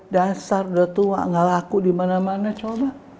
dasar udah tua ga laku di mana mana coba